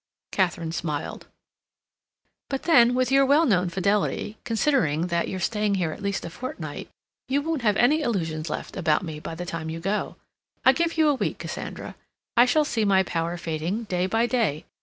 Katharine smiled. "But then, with your well known fidelity, considering that you're staying here at least a fortnight, you won't have any illusions left about me by the time you go. I give you a week, Cassandra. I shall see my power fading day by day.